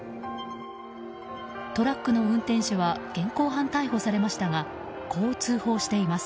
トラックの運転手は現行犯逮捕されましたがこう通報しています。